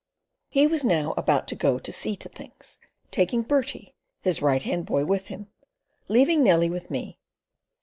He was now about to go to "see to things," taking Bertie, his right hand boy, with him, but leaving Nellie with me.